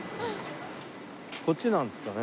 こっちなんですかね？